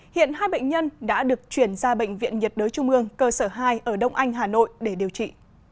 hiện hai bệnh nhân đã được chuyển ra bệnh viện nhiệt đới trung ương cơ sở hai ở đông anh hà nội để điều trị